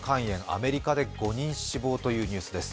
アメリカで５人死亡というニュースです。